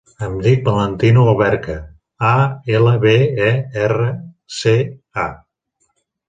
Em dic Valentino Alberca: a, ela, be, e, erra, ce, a.